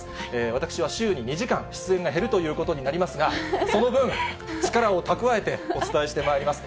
私は週に２時間、出演が減るということになりますが、その分、力を蓄えてお伝えしてまいります。